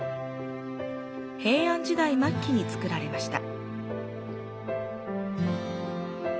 平安時代末期に作られました。